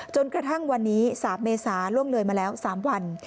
จนกระทั่งวันนี้๓เมษาล่วงเลยมาแล้ว๓วัน